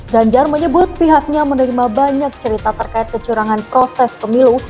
ganjar menyebut pihaknya menerima banyak cerita terkait kecurangan proses pemilu